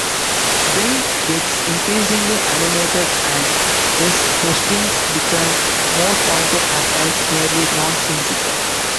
Ben gets increasingly animated, and Gus's questions become more pointed, at times nearly nonsensical.